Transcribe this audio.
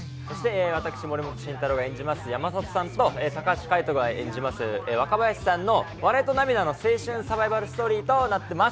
私、森本慎太郎が演じる山里さんと、高橋海人が演じる若林さんの笑いと涙の青春サバイバルストーリーとなってます。